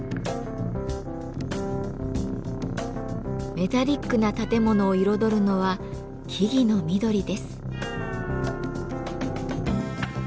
メタリックな建物を彩るのは木々の緑です。